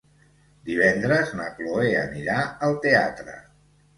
Divendres na Cloè anirà al teatre.